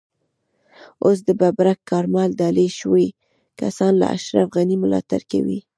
اوس د ببرک کارمل ډالۍ شوي کسان له اشرف غني ملاتړ کوي.